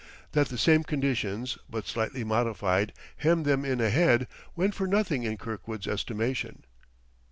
That the same conditions, but slightly modified, hemmed them in ahead, went for nothing in Kirkwood's estimation.